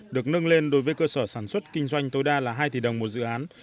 được nâng lên đối với cơ sở sản xuất kinh doanh tối đa là hai tỷ đồng một dự án